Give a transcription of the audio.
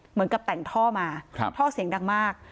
เหมือนกับแต่งท่อมาท่อเสียงดังมาก